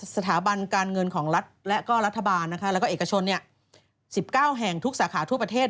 สถาบันการเงินของรัฐและก็รัฐบาลและเอกชน๑๙แห่งทุกสาขาทั่วประเทศ